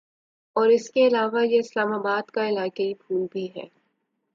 اور اس کے علاوہ یہ اسلام آباد کا علاقائی پھول بھی ہے